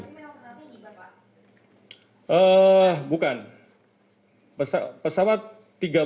pertanyaan yang terakhir pak